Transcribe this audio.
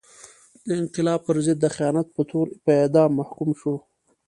د انقلاب پر ضد د خیانت په تور په اعدام محکوم شو.